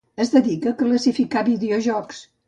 Es dedica a classificar videojocs.